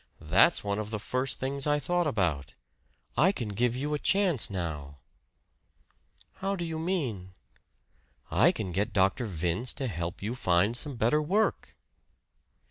"That's one of the first things I thought about I can give you a chance now." "How do you mean?" "I can get Dr. Vince to help you find some better work."